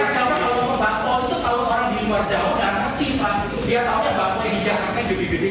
kan bapak pau itu apa maksudnya kalau sesuatu kalau kan kebiasaan saya pasti saya orang surabaya pak